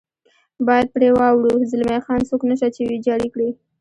باید پرې واوړو، زلمی خان: څوک نشته چې ویجاړ یې کړي.